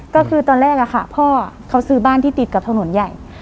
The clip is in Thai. ก็คือตอนแรกอะค่ะพ่อเขาซื้อบ้านที่ติดกับถนนใหญ่